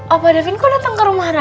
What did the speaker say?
opa davin kok datang ke rumah rara